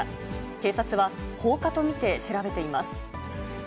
警察は、放火と見て調べています。